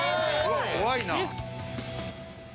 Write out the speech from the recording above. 怖いな。